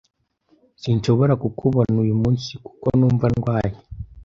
Sinshobora kukubona uyu munsi kuko numva ndwaye.